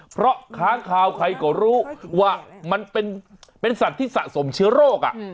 เพราะค้างคาวใครก็รู้ว่ามันเป็นสัตว์ที่สะสมเชื้อโรค